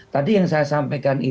tadi yang saya sampaikan